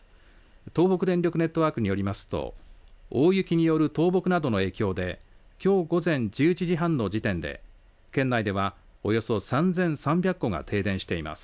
東北電力ネットワークによりますと大雪による倒木などの影響できょう午前１１時半の時点で県内では、およそ３３００戸が停電しています。